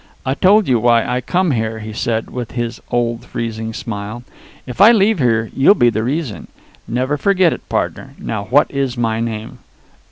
"I told you why I come here," he said, with his old freezing smile. "If I leave here, you'll be the reason. Never forget it, pardner. Now, what is my name?"